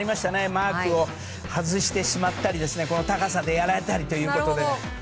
マークを外してしまったり高さでやられたりということで。